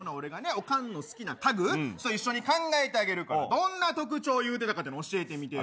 そんなら俺がね、おかんの好きな家具、ちょっと一緒に考えてあげるから、どんな特徴言うてたかっていうの教えてみてよ。